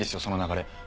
その流れ。